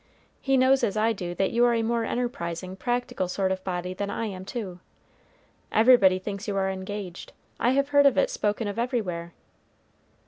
He knows as I do that you are a more enterprising, practical sort of body than I am, too. Everybody thinks you are engaged. I have heard it spoken of everywhere."